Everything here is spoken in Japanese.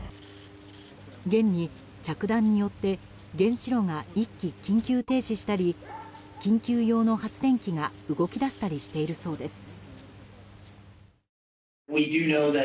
現に、着弾によって原子炉が１基、緊急停止したり緊急用の発電機が動き出したりしているそうです。